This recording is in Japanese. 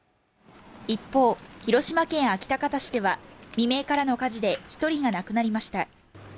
一方、広島県安芸高田市では未明からの火事で１人が亡くなりました。